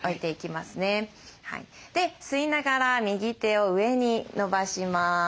で吸いながら右手を上に伸ばします。